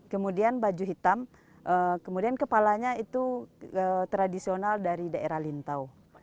kemudian baju hitam kemudian kepalanya itu tradisional dari daerah lintau